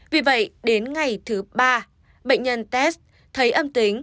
vì vậy đến ngày thứ ba bệnh nhân test thấy âm tính